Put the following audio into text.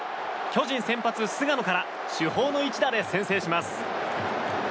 巨人先発、菅野から主砲の一打で先制します。